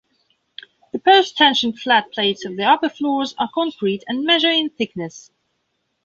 The post-tensioned flat plates of the upper floors are concrete and measure in thickness.